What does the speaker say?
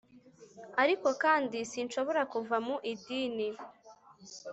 ariko kandi, sinshobora kuva mu idini,